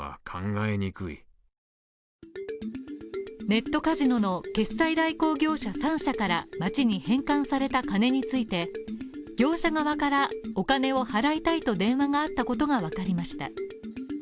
ネットカジノの決済代行業者３社から町に返還された金について、業者側からお金を払いたいと電話があったことがわかりました。